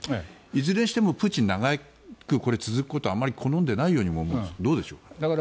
いずれにしてもプーチンは長く続くことは好んでないようにも見えますがどうでしょう。